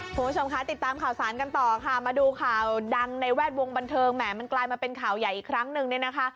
คุณผู้ชมคะติดตามข่าวสารกันต่อค่ะมาดูข่าวดังในแวดวงบันเทิงแหมมันกลายมาเป็นข่าวใหญ่อีกครั้งนึงเนี่ยนะคะ